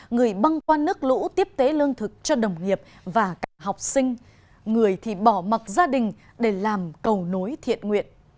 người băng qua nước lũ tiếp tế lương thực cho đồng nghiệp và cả học sinh người thì bỏ mặc gia đình để làm cầu nối thiện nguyện